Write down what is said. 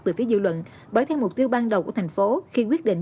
về phía dự luận bởi theo mục tiêu ban đầu của thành phố khi quyết định